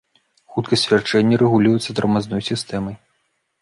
Хуткасць вярчэння рэгулюецца тармазной сістэмай.